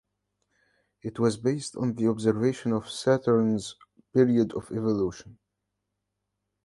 It was based on the observation of Saturn's period of evolution.